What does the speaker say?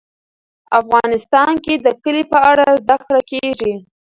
افغانستان کې د کلي په اړه زده کړه کېږي.